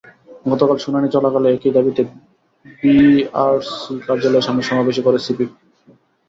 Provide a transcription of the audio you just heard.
গতকাল শুনানি চলাকালে একই দাবিতে বিইআরসি কার্যালয়ের সামনে সমাবেশও করে সিপিবি।